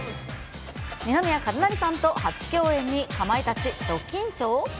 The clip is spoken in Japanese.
二宮和也さんと初共演にかまいたち、ド緊張？